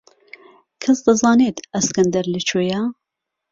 کەس دەزانێت ئەسکەندەر لەکوێیە؟